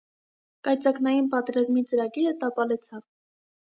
Կայծակնային պատերազմի ծրագիրը տապալեցաւ։